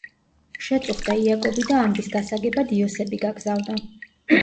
შეწუხდა იაკობი და ამბის გასაგებად იოსები გაგზავნა.